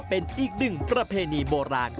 ซึ่งเป็นประเพณีที่มีหนึ่งเดียวในประเทศไทยและหนึ่งเดียวในโลก